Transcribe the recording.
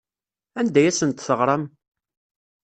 Anda ay asent-teɣram?